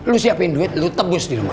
lu siapin duit lu tebus di rumah